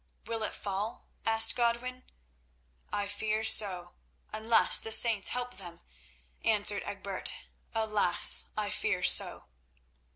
"Will it fall?" asked Godwin. "I fear so, unless the saints help them," answered Egbert. "Alas! I fear so."